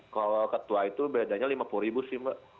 kalau ketua itu bedanya lima puluh ribu sih mbak